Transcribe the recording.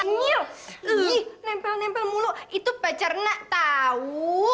nih nempel nempel mulu itu pecah renak tau